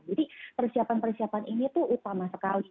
jadi persiapan persiapan ini tuh utama sekali